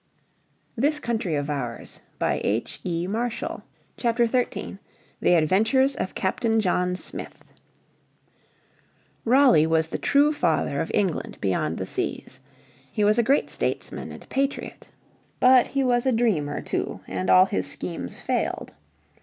PART II STORIES OF VIRGINIA __________ Chapter 13 The Adventures of Captain John Smith Raleigh was the true father of England beyond the seas. He was a great statesman and patriot. But he was a dreamer too and all his schemes failed.